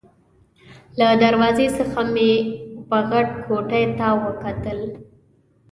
له دروازې څخه مې وه غټې کوټې ته وکتل.